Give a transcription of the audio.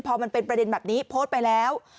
พอมันเป็นประเด็นแบบนี้โพสต์ไปแล้ว